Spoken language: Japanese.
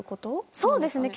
そうですね。